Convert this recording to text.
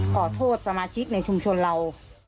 ขอโทษสมาชิกในชุมชนเรา